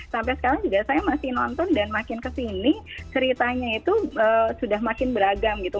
sampai sekarang juga saya masih nonton dan makin kesini ceritanya itu sudah makin beragam gitu